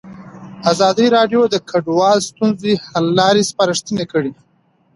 ازادي راډیو د کډوال د ستونزو حل لارې سپارښتنې کړي.